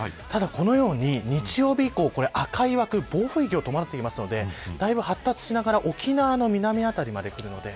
ただこのように赤い枠暴風域を伴っていますのでだいぶ発達しながら沖縄の南辺りまで来ます。